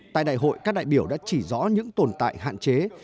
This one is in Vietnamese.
tại đại hội các đại biểu đã chỉ rõ những tồn tại hạn chế